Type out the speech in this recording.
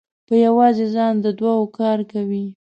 په یوازې ځان د دوو کار کوي.